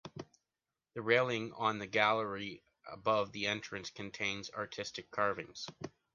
The railing on the gallery above the entrance contains artistic carvings.